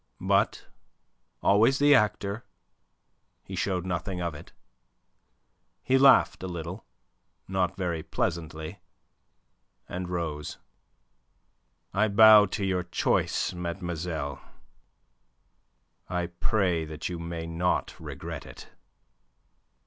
But always the actor he showed nothing of it. He laughed a little, not very pleasantly, and rose. "I bow to your choice, mademoiselle. I pray that you may not regret it."